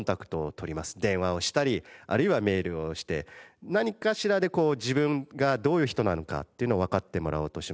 電話をしたりあるいはメールをして何かしらでこう自分がどういう人なのかっていうのをわかってもらおうとします。